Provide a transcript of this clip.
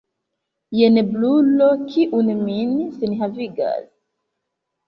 Jen brulo, kiu min senhavigas.